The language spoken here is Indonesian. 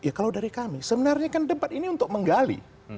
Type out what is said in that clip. ya kalau dari kami sebenarnya kan debat ini untuk menggali